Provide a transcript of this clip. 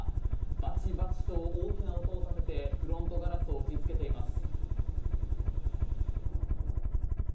バチバチと大きな音を立ててフロントガラスを打ちつけています。